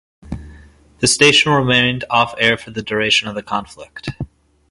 The station remained off-air for the duration of the conflict.